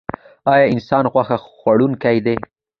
ایا انسان غوښه خوړونکی دی؟